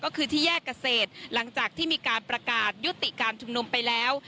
ก็คือที่แยกเกษตรหลังจากที่มีการประกาศยุติการชุมนุมไปแล้ว